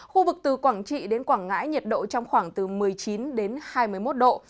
khu vực từ quảng trị đến quảng ngãi nhiệt độ trong khoảng từ một mươi chín đến hai mươi một độ